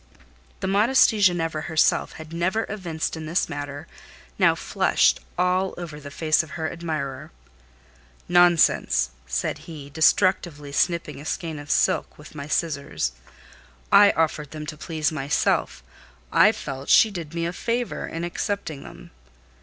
The modesty Ginevra herself had never evinced in this matter, now flushed all over the face of her admirer. "Nonsense!" he said, destructively snipping a skein of silk with my scissors. "I offered them to please myself: I felt she did me a favour in accepting them."